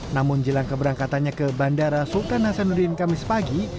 namun jelang keberangkatannya ke bandara sultan hasanuddin kamis pagi